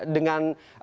dengan situasi ini